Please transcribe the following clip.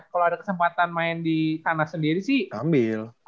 kalau ada kesempatan main di tanah sendiri sih